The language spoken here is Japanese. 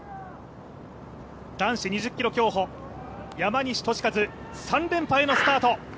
男子２０ｋｍ競歩、山西利和３連覇へのスタート。